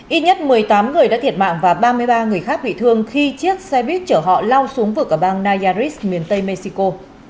ít nhất một mươi tám người đã thiệt mạng và ba mươi ba người khác bị thương khi chiếc xe buýt chở họ lao xuống vực ở bang nayas miền tây mexico